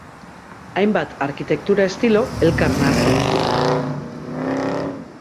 Hainbat arkitektura estilo elkar nahasten ditu.